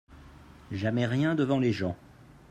Jamais rien devant les gens.